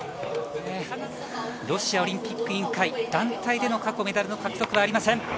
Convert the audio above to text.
ロシアオリンピック委員会、団体での過去メダルの獲得はありません。